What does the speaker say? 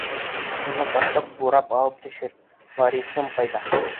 Уны ҡырҡып, бурап алып төшөр вариҫым ҡайҙа?